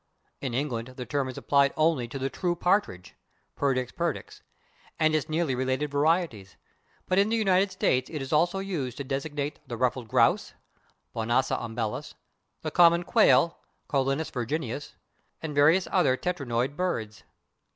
In England the term is applied only to the true partridge (/Perdix perdix/) and its nearly related varieties, but in the United States it is also used to designate the ruffed grouse (/Bonasa umbellus/), the common quail (/Colinus virginianus/) and various [Pg054] other tetraonoid birds.